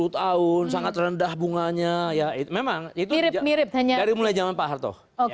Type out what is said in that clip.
tiga puluh tahun sangat rendah bunganya memang itu dari mulai zaman pak harto